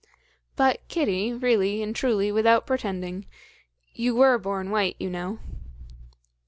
"But, Kitty, really and truly, without pretending, you were born white, you know."